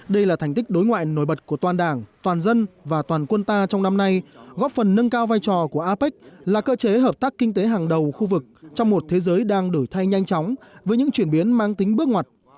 đây là thành tích đối ngoại nổi bật của toàn đảng toàn dân và toàn quân ta trong năm nay góp phần nâng cao vai trò của apec là cơ chế hợp tác kinh tế hàng đầu khu vực trong một thế giới đang đổi thay nhanh chóng với những chuyển biến mang tính bước ngoặt